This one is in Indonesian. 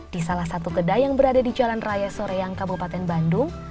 di salah satu kedai yang berada di jalan raya soreang kabupaten bandung